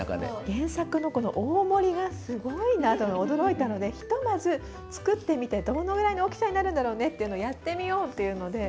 原作の大盛りがすごいなと驚いたのでひとまず作ってみてどのぐらいの大きさになるんだろうねってやってみようっていうので。